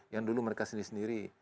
yang dulu mereka sendiri sendiri